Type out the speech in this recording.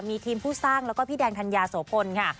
มีทีมผู้สร้างแล้วก็พี่แดงธัญญาโสพลค่ะ